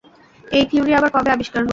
এই থিওরি আবার কবে আবিষ্কার হল?